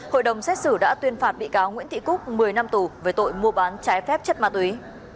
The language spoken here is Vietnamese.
hội đồng xét xử đã tuyên phạt bị cáo nguyễn thị cúc một mươi năm tù về tội mua bán trái phép chất ma túy